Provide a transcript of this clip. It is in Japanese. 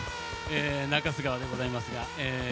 中州川でございますが。